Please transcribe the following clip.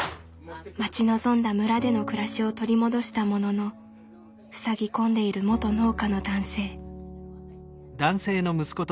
待ち望んだ村での暮らしを取り戻したもののふさぎ込んでいる元農家の男性。